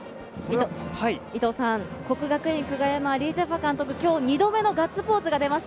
國學院久我山・李済華監督、今日２度目のガッツポーズが出ました。